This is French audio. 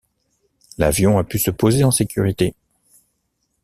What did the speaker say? L'avion a pu se poser en sécurité.